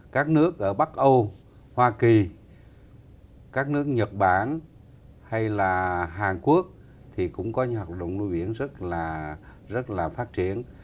các nước ở bắc âu hoa kỳ các nước nhật bản hay là hàn quốc thì cũng có những hoạt động nuôi biển rất là phát triển